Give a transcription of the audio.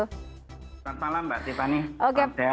selamat malam mbak tiffany